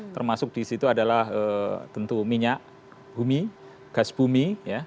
termasuk di situ adalah tentu minyak bumi gas bumi